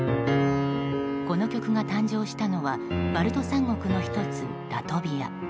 この曲が誕生したのはバルト三国の１つ、ラトビア。